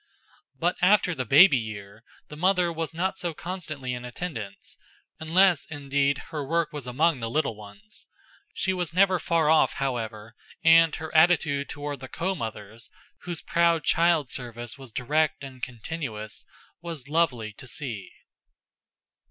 But after the baby year the mother was not so constantly in attendance, unless, indeed, her work was among the little ones. She was never far off, however, and her attitude toward the co mothers, whose proud child service was direct and continuous, was lovely to see.